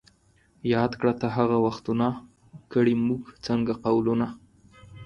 یاد کړه ته هغه وختونه ـ کړي موږ څنګه قولونه